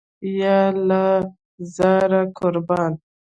یاله زار، قربان.